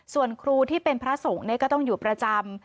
ส่วนครูที่เป็นพระสงฆ์ก็ต้องอยู่ประจำ